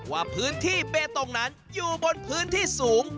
ว่าพื้นที่เบตงนั้นอยู่บนพื้นที่สูง